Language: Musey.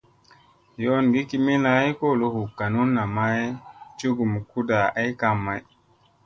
Yoongi kimilla ay kolo hu ganunna may cugum kuda ay kam may.